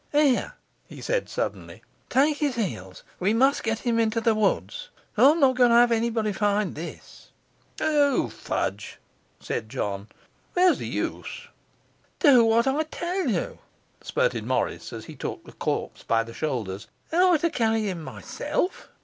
'Here!' he said suddenly, 'take his heels, we must get him into the woods. I'm not going to have anybody find this.' 'O, fudge!' said John, 'where's the use?' 'Do what I tell you,' spirted Morris, as he took the corpse by the shoulders. 'Am I to carry him myself?